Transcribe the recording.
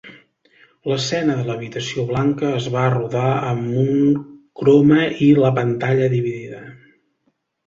L'escena de l'habitació blanca es va rodar amb un croma i la pantalla dividida.